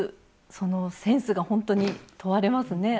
そのセンスがほんとに問われますね。